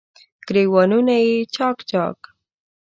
ګریوانونه یې چا ک، چا ک